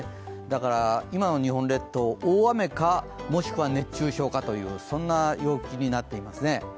だから、今の日本列島大雨か、もしくは熱中症かというそんな陽気になっていますね。